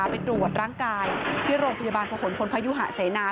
ไปตรวจร่างกายที่โรงพยาบาลผนพลพยุหะเสนา